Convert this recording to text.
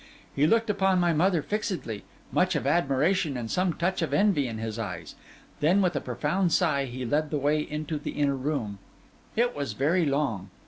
He looked upon my mother fixedly, much of admiration and some touch of envy in his eyes; then, with a profound sigh, he led the way into the inner room. It was very long.